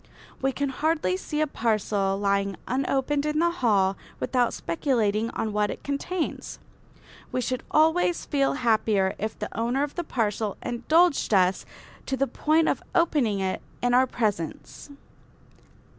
We can hardly see a parcel lying unopened in a hall without speculating on what it contains. We should always feel happier if the owner of the parcel indulged us to the point of opening it in our presence.